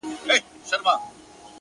وغورځول’